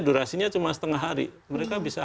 durasinya cuma setengah hari mereka bisa